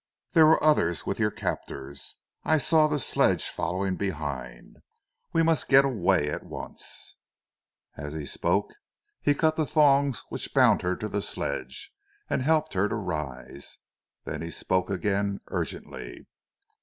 There were others with your captors; I saw the sledge following behind. We must get away at once." As he spoke he cut the thongs which bound her to the sledge and helped her to rise. Then he spoke again urgently.